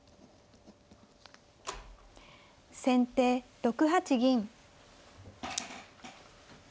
先手６八銀。